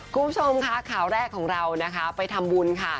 คุณผู้ชมค่ะข่าวแรกของเรานะคะไปทำบุญค่ะ